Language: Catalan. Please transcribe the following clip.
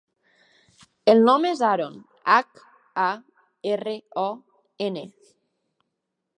El nom és Haron: hac, a, erra, o, ena.